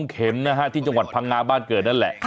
เข็มนะฮะที่จังหวัดพังงาบ้านเกิดนั่นแหละ